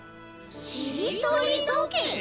しりとりどけい？